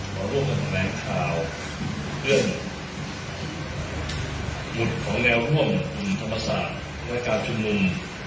เราร่วมกันแถลงข่าวเรื่องหมุดของแนวร่วมกลุ่มธรรมศาสตร์และการชุมนุม